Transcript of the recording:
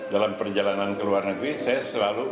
dalam perjalanan ke luar negeri saya selalu